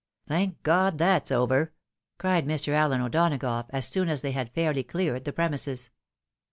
■" Thank God, that's over !" cried Mr. Allen O'Donagough, as soon as they had fairly cleared the premises.